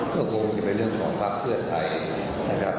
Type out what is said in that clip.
ก็คงจะเป็นเรื่องของภักดิ์เพื่อไทยนะครับ